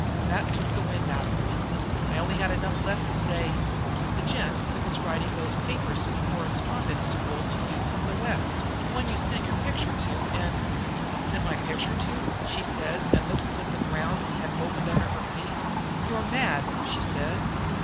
"That took the wind out of me. I only had enough left to say: 'The gent that was writing those papers to the correspondence school to you from the West, the one you sent your picture to and ' "'Sent my picture to!' she says and looks as if the ground had opened under her feet. 'You're mad!' she says.